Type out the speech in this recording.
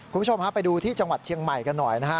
คุณผู้ชมฮะไปดูที่จังหวัดเชียงใหม่กันหน่อยนะฮะ